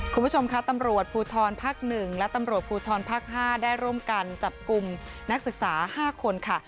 คุณผู้ชมค่ะตำรวจภูทรภาค๑และตำรวจภูทรภาค๕ได้ร่วมกันจับกลุ่มนักศึกษา๕คนค่ะ